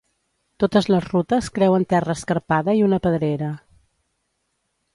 Totes les rutes creuen terra escarpada i una pedrera.